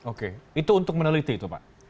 oke itu untuk meneliti itu pak